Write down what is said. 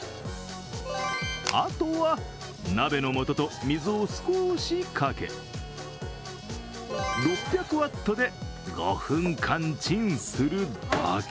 あとは鍋の素と水を少しかけ、６００ｗで５分間チンするだけ。